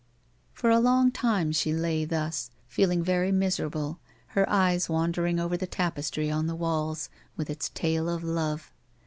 For a long time she lay thus, feeling very miserable, her eyes wandering over the tapestry on the walls, with its tale of love.